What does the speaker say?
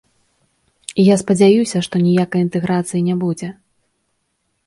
Я спадзяюся, што ніякай інтэграцыі не будзе.